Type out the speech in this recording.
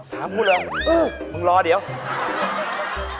ถามพูดเลยเหรอมึงรอเดี๋ยวเอ๊ะ